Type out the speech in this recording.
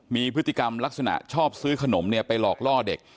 มีพฤติกรรมลักษณะชอบซื้อขนมไปหลอกล่อเด็ก